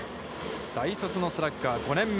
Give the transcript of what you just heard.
大卒のスラッガー、５年目。